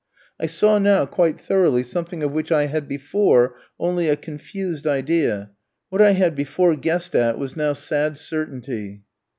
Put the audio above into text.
I saw now, quite thoroughly, something of which I had before only a confused idea; what I had before guessed at was now sad certainty.